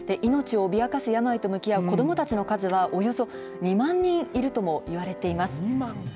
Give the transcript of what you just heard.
命を脅かす病と向き合う子どもたちの数は、およそ２万人いるともいわれています。